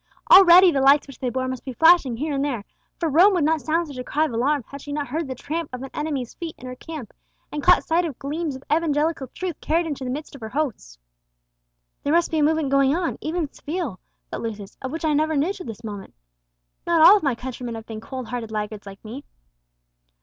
Already the lights which they bore must be flashing here and there; for Rome would not sound such a cry of alarm had she not heard the tramp of an enemy's feet in her camp, and caught sight of gleams of evangelical truth carried into the midst of her hosts. "There must be a movement going on, even in Seville," thought Lucius, "of which I never knew till this moment. Not all of my countrymen have been cold hearted laggards like me."